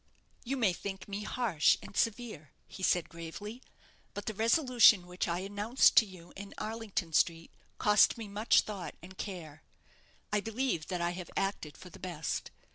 "You may think me harsh and severe," he said, gravely; "but the resolution which I announced to you in Arlington Street cost me much thought and care. I believe that I have acted for the best.